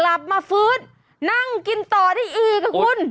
กลับมาฟื้นนั่งกินต่อได้อีกค่ะคุณ